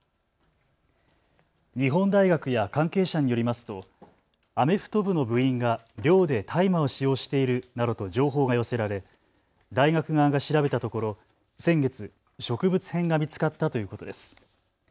日本大学や関係者によりますとアメフト部の部員が寮で大麻を使用しているなどと情報が寄せられ大学側が調べたところ先月、植物片が見つかったということです。